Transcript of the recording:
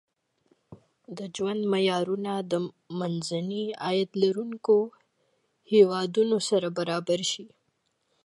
د ژوند معیارونه د منځني عاید لرونکو هېوادونو سره برابر شي.